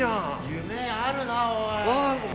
夢あるなおい。